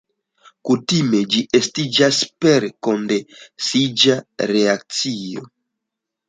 Kutime ĝi estiĝas per kondensiĝa reakcio.